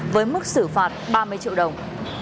với mức xử phạt ba mươi triệu đồng